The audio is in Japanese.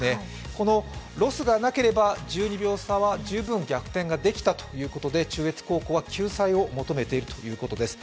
このロスがなければ１２秒差は十分逆転ができたということで中越高校は救済を求めているということです。